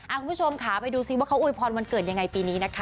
คุณผู้ชมค่ะไปดูซิว่าเขาอวยพรวันเกิดยังไงปีนี้นะคะ